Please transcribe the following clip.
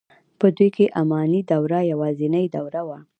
په دوی کې اماني دوره یوازنۍ دوره وه.